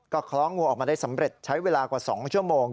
ก็คล้องงูออกมาได้สำเร็จใช้เวลากว่า๒ชั่วโมง